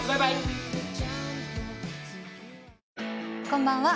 こんばんは。